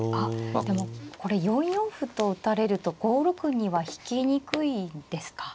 あっでもこれ４四歩と打たれると５六には引きにくいんですか。